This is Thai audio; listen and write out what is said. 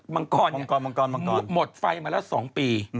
มังกรหมดไฟมาแล้ว๒ปี